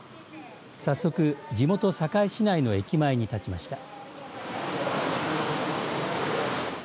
早速、地元、堺市内の駅前に立ちました。